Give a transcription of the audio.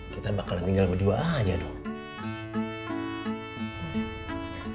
kita bakal tinggal berdua aja dong